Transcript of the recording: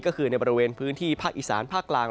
ก็คือในบริเวณพื้นที่ภาคอีสานภาคกลาง